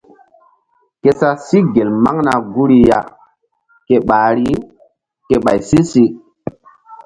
Ke sa sí ma gel maŋna guri ya ke ɓahri ke ɓay si-si.